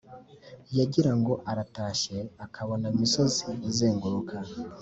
yagira ngo aratashye akabona imisozi izenguruka